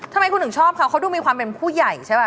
ทำไมคุณถึงชอบเขาเขาดูมีความเป็นผู้ใหญ่ใช่ป่